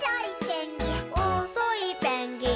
「おっそいペンギン」